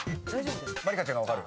まりかちゃんが分かる？